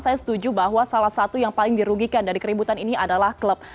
saya setuju bahwa salah satu yang paling dirugikan dari keributan ini adalah klub